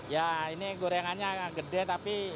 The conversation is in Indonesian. ya ini gorengannya agak gede tapi